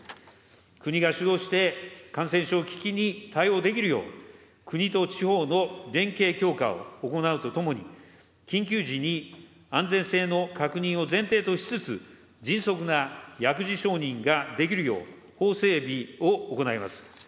国が主導して感染症危機に対応できるよう、国と地方の連携強化を行うとともに、緊急時に安全性の確認を前提としつつ、迅速な薬事承認ができるよう、法整備を行います。